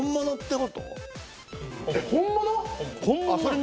本物！？